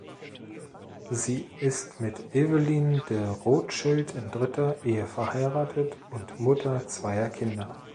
Sie ist mit Evelyn de Rothschild in dritter Ehe verheiratet und Mutter zweier Kinder.